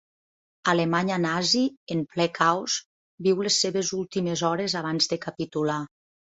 Alemanya nazi, en ple caos, viu les seves últimes hores abans de capitular.